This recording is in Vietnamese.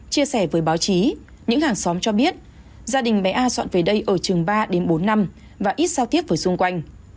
chia sẻ với báo chí những hàng xóm cho biết gia đình bé a soạn về đây ở trường ba đến bốn năm và ít giao tiếp với xung quanh